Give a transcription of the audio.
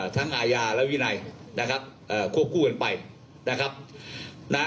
อาญาและวินัยนะครับเอ่อควบคู่กันไปนะครับนะ